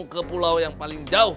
ke pulau yang paling jauh